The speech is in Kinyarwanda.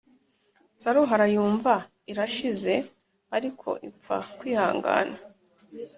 Saruhara yumva irashize, ariko ipfa kwihangana.